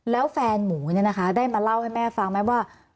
แล้วแฟนหมูเนี่ยนะคะได้มาเล่าให้แม่ฟังไหมว่า